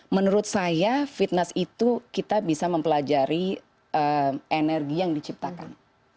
menurut saya fitness itu kita bisa mempelajari energi yang diciptakan